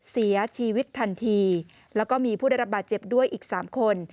เสียชีวิตทันทีแล้วก็มีผู้ได้รับบาดเจ็บด้วยอีก๓คน